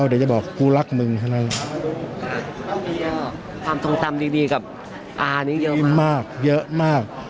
มีกับอานี่เยอะมาก